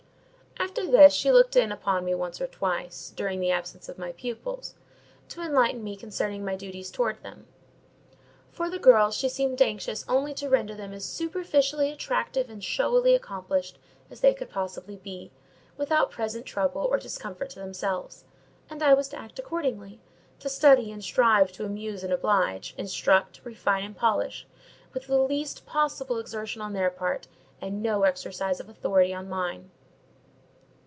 After this she looked in upon me once or twice, during the absence of my pupils, to enlighten me concerning my duties towards them. For the girls she seemed anxious only to render them as superficially attractive and showily accomplished as they could possibly be made, without present trouble or discomfort to themselves; and I was to act accordingly—to study and strive to amuse and oblige, instruct, refine, and polish, with the least possible exertion on their part, and no exercise of authority on mine.